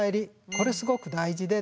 これすごく大事でですね